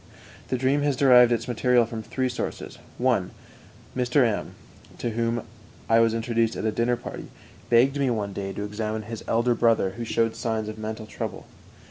The dream has derived its material from three sources: 1. Mr. M , to whom I was introduced at a dinner party, begged me one day to examine his elder brother, who showed signs of mental trouble.